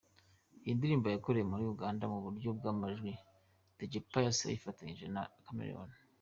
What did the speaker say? Iyi ndirimbo yakorewe muri Uganda mu buryo bw’amajwi, Dj Pius yayifatanyije na Chameleone.